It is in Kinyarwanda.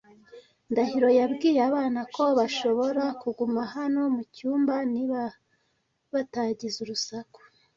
Ndahiro yabwiye abana ko bashobora kuguma hano mucyumba niba batagize urusaku.